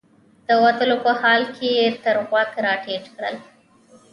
د وتلو په حال کې یې تر غوږ راټیټ کړل.